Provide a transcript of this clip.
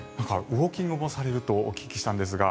ウォーキングされるとお聞きしたんですが。